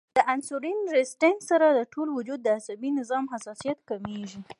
د انسولين ريزسټنس سره د ټول وجود د عصبي نظام حساسیت کميږي